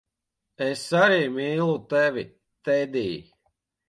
Es arī mīlu tevi, Tedij.